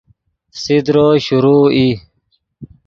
فسیدرو شروع ای